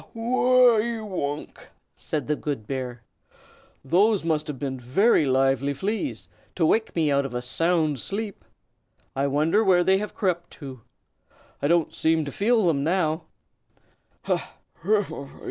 "Haw wa wow you wonk!" said the good bear. "Those must have been very lively fleas, to wake me out of a sound sleep. I wonder where they have crept to! I don't seem to feel them now. Ha!